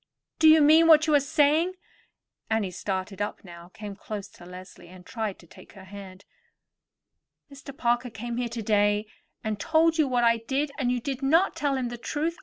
Do you mean what you are saying?" Annie started up now, came close to Leslie, and tried to take her hand. "Mr. Parker came here today, and told you what I did yesterday, and you did not tell him the truth?